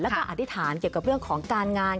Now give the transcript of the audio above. แล้วก็อธิษฐานเกี่ยวกับเรื่องของการงาน